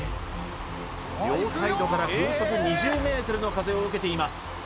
両サイドから風速２０メートルの風を受けています